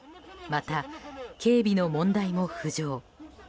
また、警備の問題も浮上。